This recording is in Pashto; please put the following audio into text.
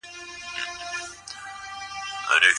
که کوڅه پاکه کړو نو بد بوی نه خپریږي.